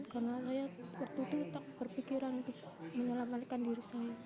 karena saya waktu itu tak berpikiran untuk menyelamatkan diri saya